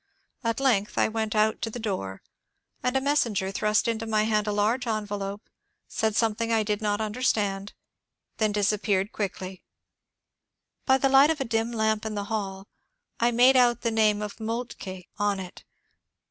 At length I went out to the door, and a messenger thrust into my hand a large envelope, said something I did not understand, then disappeared quickly. By the light of a dim lamp in the hall I made out the name of Moltke on it.